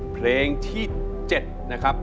เพลงที่๗นะครับ